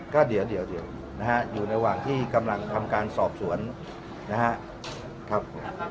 ก็เดี๋ยวนะฮะอยู่ระหว่างที่กำลังทำการสอบสวนนะครับ